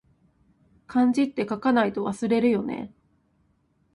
漢字って、書かないと忘れるよね